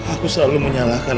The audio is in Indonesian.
aku selalu menyalahkan